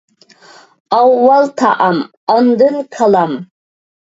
ئاۋۋال تائام، ئاندىن كالام.